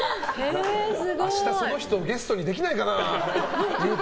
明日その人ゲストにできないかな。